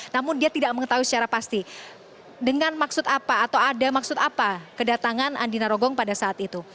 namun dia tidak mengetahui secara pasti dengan maksud apa atau ada maksud apa kedatangan andina rogong pada saat itu